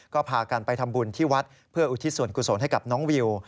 ก็พากันไปทำบุญที่วัดเพื่ออุทิศส่วนกุศลให้กับน้องวิว